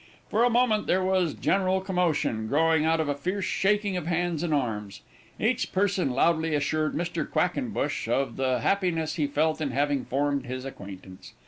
For a moment there was general commotion, growing out of a fierce shaking of hands and arms. Each person loudly assured Mr. Quackenbush of the happiness he felt in having formed his acquaintance.